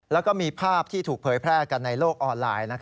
แล้วก็มีภาพที่ถูกเผยแพร่กันในโลกออนไลน์